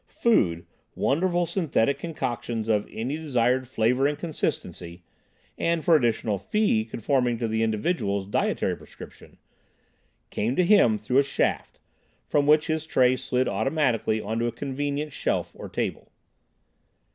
Food, wonderful synthetic concoctions of any desired flavor and consistency (and for additional fee conforming to the individual's dietary prescription) came to him through a shaft, from which his tray slid automatically on to a convenient shelf or table.